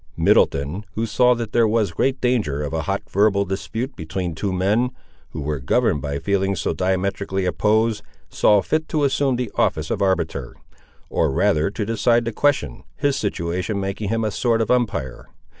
Middleton, who saw that there was great danger of a hot verbal dispute between two men, who were governed by feelings so diametrically opposed, saw fit to assume the office of arbiter; or rather to decide the question, his situation making him a sort of umpire.